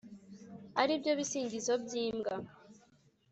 ari byo bisingizo by’imbwa